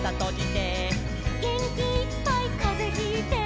「げんきいっぱいかぜひいて」